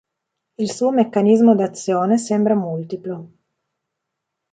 Il suo meccanismo d'azione sembra multiplo.